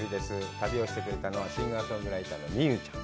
旅をしてくれたのはシンガーソングライターのＭｉｙｕｕちゃん